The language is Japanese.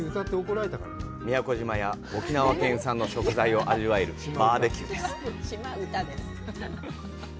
宮古島や沖縄県産の食材を味わえるバーベキューです。